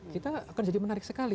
kita akan jadi menarik sekali